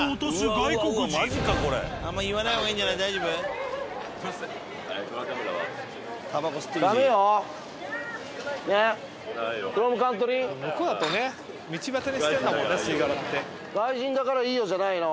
「外国人だからいいよ」じゃないの。